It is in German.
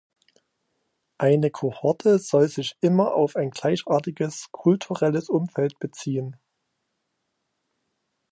Eine Kohorte soll sich immer auf ein gleichartiges kulturelles Umfeld beziehen.